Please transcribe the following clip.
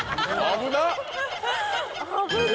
危ない。